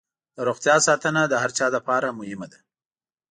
د روغتیا ساتنه د هر چا لپاره مهمه ده.